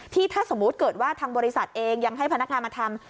ถ้าสมมุติเกิดว่าทางบริษัทเองยังให้พนักงานมาทำ